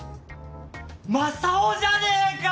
マサオじゃねえか！